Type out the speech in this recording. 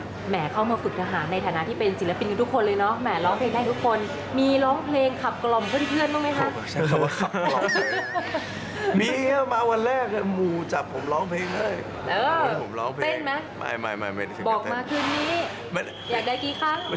แหมเข้ามาฝึกทหารในฐานะที่เป็นศิลปินกับทุกคนเลยนะ